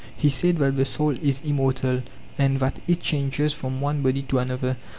He said that the soul is immortal, and that it changes from one body to another